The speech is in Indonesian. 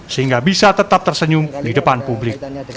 sehingga bisa tetap tersenyum di depan publik